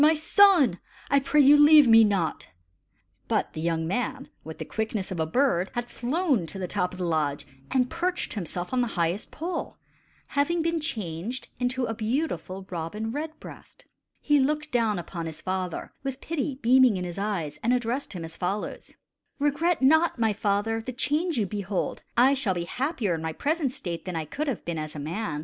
my son! I pray you leave me not!" But the young man, with the quickness of a bird, had flown to the top of the lodge and perched himself on the highest pole, having been changed into a beautiful robin red breast. He looked down upon his father with pity beaming in his eyes, and addressed him as follows: "Regret not, my father, the change you behold. I shall be happier in my present state than I could have been as a man.